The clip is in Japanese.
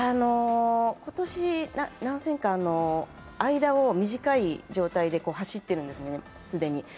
今年何戦か、間を短い状態で走っているんですね、既に。